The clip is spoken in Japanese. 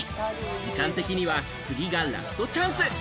時間的には次がラストチャンス。